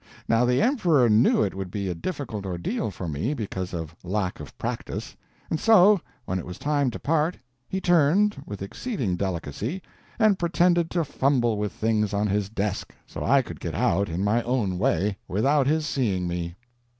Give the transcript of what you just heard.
Now the Emperor knew it would be a difficult ordeal for me, because of lack of practice; and so, when it was time to part, he turned, with exceeding delicacy, and pretended to fumble with things on his desk, so I could get out in my own way, without his seeing me."